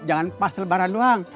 jangan pas lebaran doang